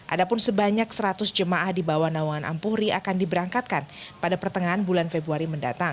adapun sebanyak seratus jemaah di bawah nawangan ampuhri akan diberangkatkan pada pertengahan bulan februari